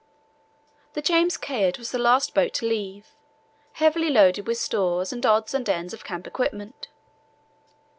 The James Caird was the last boat to leave, heavily loaded with stores and odds and ends of camp equipment.